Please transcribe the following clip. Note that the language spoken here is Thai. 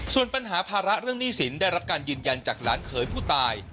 ส่วนปัญหาภาระเรื่องหนี้สินได้รับการยืนยันจากหลานเคยผู้ตาย